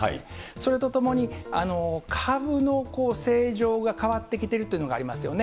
それとともに株の性状が変わってきてるっていうのがありますよね。